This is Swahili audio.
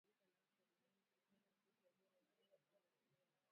Ni muhimu kukomesha tabia hiyo pia